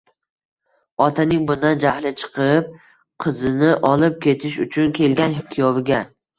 Otaning bundan jahli chiqib, qizini olib ketish uchun kelgan kuyoviga